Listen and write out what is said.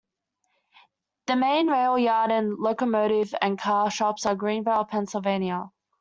The main rail yard and locomotive and car shops are in Greenville, Pennsylvania.